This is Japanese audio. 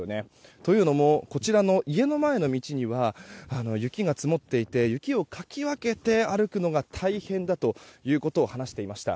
というのもこちらの家の前の道には雪が積もっていて雪をかき分けて歩くのが大変だということを話していました。